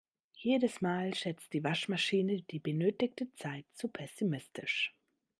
Jedes Mal schätzt die Waschmaschine die benötigte Zeit zu pessimistisch.